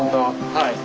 はい。